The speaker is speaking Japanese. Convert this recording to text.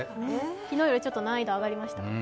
昨日よりちょっと難易度上がりましたね。